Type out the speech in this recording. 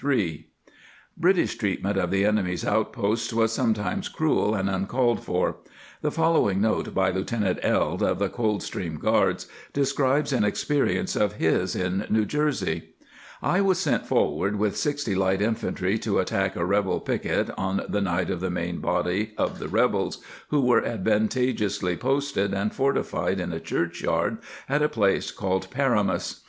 ^ British treatment of the enemy's outposts was sometimes cruel and uncalled for. The follow ing note by Lieutenant Eld, of the Coldstream Guards, describes an experience of his in New Jersey :" I was sent forward with 60 Light Infantry to attack a rebel Picquet on the right of the main, body of the rebels who were advantageous ly posted & fortified in a Church Yard at a place called Paramus.